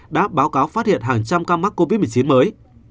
đã báo cáo phát hiện hàng trăm ca mắc covid một mươi chín mới